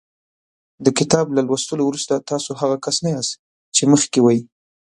د کتاب له لوستلو وروسته تاسو هغه کس نه یاست چې مخکې وئ.